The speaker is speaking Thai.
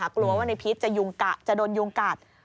กลัวว่าในพีชจะโดนยุงกัด